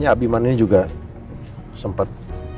ya abimana ini juga sempet